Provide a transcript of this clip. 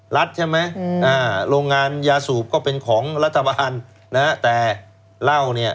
รัฐใช่ไหมโรงงานยาสูบก็เป็นของรัฐบาลนะฮะแต่เหล้าเนี่ย